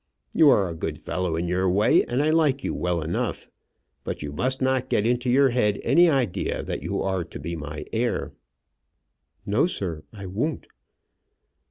You are a good fellow in your way, and I like you well enough. But you must not get into your head any idea that you are to be my heir." "No, sir; I won't."